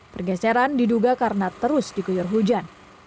pergeseran diduga karena terus diguyur hujan